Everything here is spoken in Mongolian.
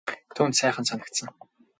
Түүнд сайхан санагдсан.